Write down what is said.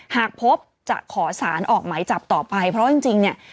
หากพบจะขอสารออกหมายจับต่อไปเพราะว่าจริงเนี่ย